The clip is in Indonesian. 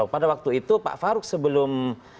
pada waktu itu pak faruk sebelum